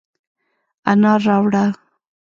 انار راوړه،